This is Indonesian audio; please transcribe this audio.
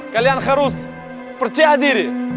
kalian harus percaya diri